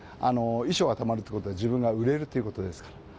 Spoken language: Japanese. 衣装がたまるっていうことで、自分が売れるということですから。